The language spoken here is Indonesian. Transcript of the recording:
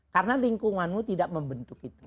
karena lingkunganmu tidak membentuk itu